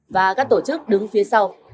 và các tổ chức đứng phía sau